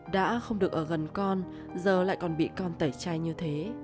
đã không được ở gần con giờ lại còn bị con tẩy chay như thế